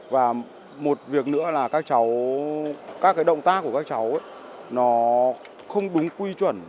và một việc nữa là các động tác của các cháu nó không đúng quy chuẩn